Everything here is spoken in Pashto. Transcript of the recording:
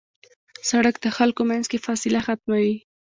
سړک د خلکو منځ کې فاصله ختموي.